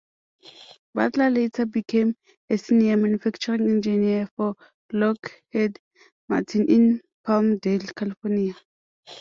Butler later became a senior manufacturing engineer for Lockheed Martin in Palmdale, California.